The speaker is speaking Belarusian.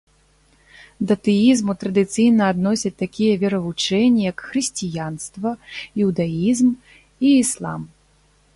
Да тэізму традыцыйна адносяць такія веравучэнні, як хрысціянства, іўдаізм і іслам.